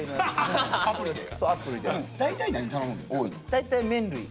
大体麺類。